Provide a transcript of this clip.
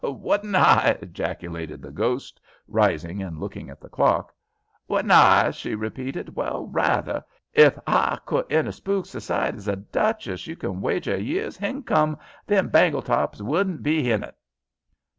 "Would h'I?" ejaculated the ghost, rising and looking at the clock. "Would h'I?" she repeated. "Well, rather. If h'I could enter spook society as a duchess, you can wager a year's hincome them Bangletops wouldn't be hin it."